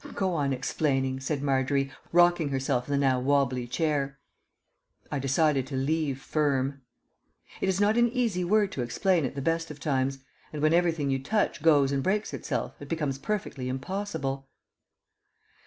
"Go on explaining," said Margery, rocking herself in the now wobbly chair. I decided to leave "firm." It is not an easy word to explain at the best of times, and when everything you touch goes and breaks itself it becomes perfectly impossible.